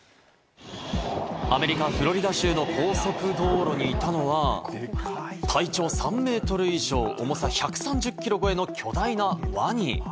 アメリカ・フロリダ州の高速道路にいたのは、体長３メートル以上、重さ１３０キロ超えの巨大なワニ。